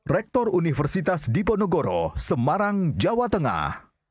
rektor universitas diponegoro semarang jawa tengah